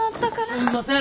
すんません